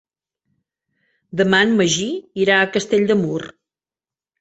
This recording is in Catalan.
Demà en Magí irà a Castell de Mur.